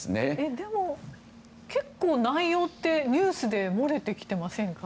でも、結構内容ってニュースで漏れてきてませんか。